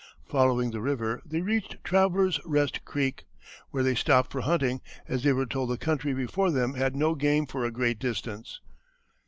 Following the river they reached Travellers' Rest Creek, where they stopped for hunting, as they were told the country before them had no game for a great distance.